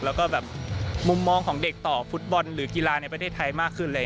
แล้วก็แบบมุมมองของเด็กต่อฟุตบอลหรือกีฬาในประเทศไทยมากขึ้นเลย